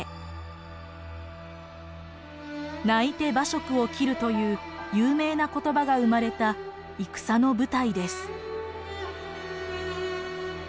「泣いて馬謖を斬る」という有名な言葉が生まれた戦の舞台です。